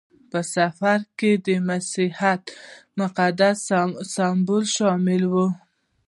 په سفر کې د مسیحیت مقدس سمبولونه شامل وو.